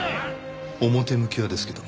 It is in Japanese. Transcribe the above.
表向きはですけど。